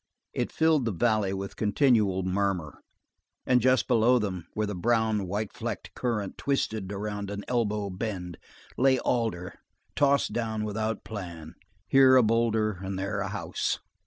It filled the valley with continual murmur, and just below them, where the brown, white flecked current twisted around an elbow bend, lay Alder tossed down without plan, here a boulder and there a house.